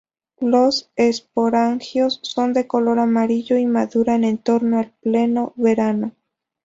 Los esporangios son de color amarillo y maduran en torno al pleno verano.